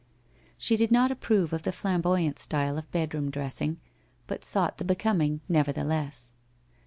She did not approve of the flamboyant style of bedroom dressing, but sought the becoming nevertheless.